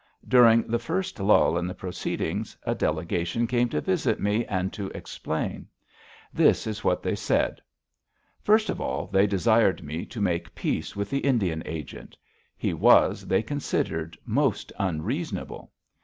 During the first lull in the proceedings, a delegation came to visit me and to explain. This is what they said: First of all, they desired me to make peace with the Indian agent. He was, they considered, most unreasonable.